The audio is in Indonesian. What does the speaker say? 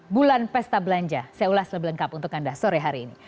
bulan pesta belanja saya ulas lebih lengkap untuk anda sore hari ini